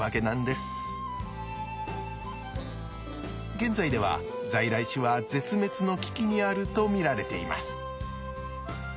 現在では在来種は絶滅の危機にあると見られています。